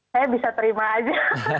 saya bisa terima aja